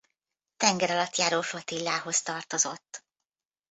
Tengeralattjáró Flottillához tartozott.